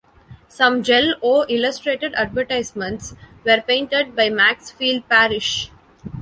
Some Jell-O illustrated advertisements were painted by Maxfield Parrish.